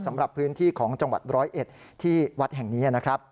สำหรับพื้นที่ของจังหวัดร้อยเอ็ดที่วัดแห่งนี้นะครับ